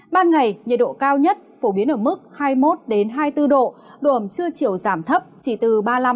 ban ngày nhiệt độ cao nhất phổ biến ở mức hai mươi một hai mươi bốn độ đồ ẩm chưa chiều giảm thấp chỉ từ ba mươi năm bốn mươi năm